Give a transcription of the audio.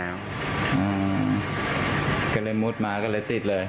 ก็เลยมุดมาก็เลยติดเลย